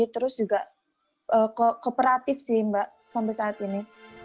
terus juga kooperatif sih mbak sampai saat ini